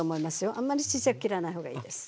あんまりちっちゃく切らない方がいいです。